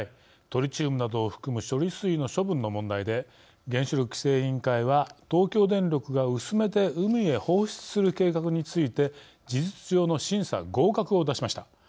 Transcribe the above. トリチウムなどを含む処理水の処分の問題で原子力規制委員会は東京電力が薄めて海へ放出する計画について事実上の審査合格を出しました。